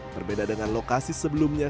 berbeda dengan lokasi sebelumnya